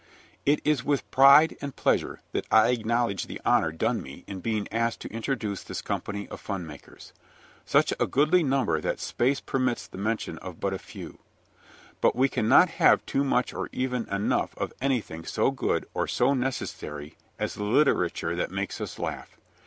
It is with pride and pleasure that I acknowledge the honor done me in being asked to introduce this company of fun makers such a goodly number that space permits the mention of but a few. But we cannot have too much or even enough of anything so good or so necessary as the literature that makes us laugh.